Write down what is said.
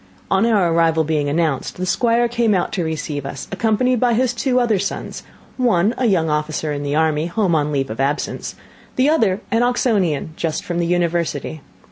On our arrival being announced, the Squire came out to receive us, accompanied by his two other sons; one a young officer in the army, home on leave of absence; the other an Oxonian, just from the University.